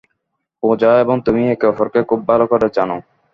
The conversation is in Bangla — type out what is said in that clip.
পূজা এবং তুমি একে অপরকে, খুব ভাল করে জানো।